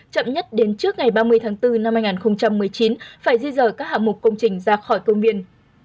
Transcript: chậm nhất đến trước ngày ba mươi tháng bốn năm hai nghìn một mươi chín phải di rời các hạng mục công trình ra khỏi công viên